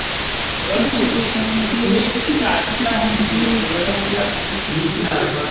Kuki utambwiye kare cyane ra?